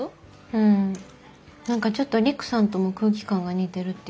うん何かちょっと陸さんとも空気感が似てるっていうか。